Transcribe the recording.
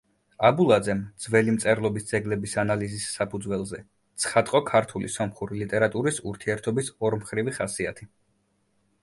აბულაძემ ძველი მწერლობის ძეგლების ანალიზის საფუძველზე ცხადყო ქართული სომხური ლიტერატურის ურთიერთობის ორმხრივი ხასიათი.